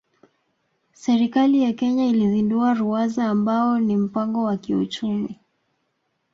Serikali ya Kenya ilizindua Ruwaza ambao ni mpango wa kiuchumi